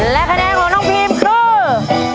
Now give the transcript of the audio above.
และคะแนนของน้องพีมคือ